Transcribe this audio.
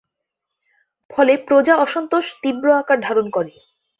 ফলে প্রজা অসন্তোষ তীব্র আকার ধারণ করে।